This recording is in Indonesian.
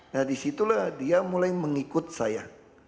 nah di situlah dia mulai mengikut saya